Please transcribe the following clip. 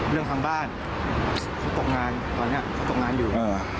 เรื่องทางบ้านเขาตกงานตอนนี้เขาตกงานอยู่